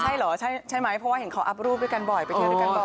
ใช่เหรอใช่ไหมเพราะว่าเห็นเขาอัพรูปด้วยกันบ่อยไปเที่ยวด้วยกันบ่อย